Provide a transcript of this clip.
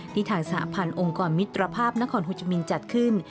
ที่ทางสหพันธ์องค์กรมิตรภาพนครฮูจิมินจัดขึ้น